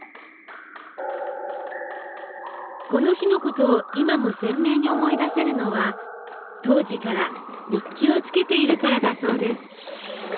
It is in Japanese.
この日のことを今も鮮明に思い出せるのは当時から日記をつけているからだそうです。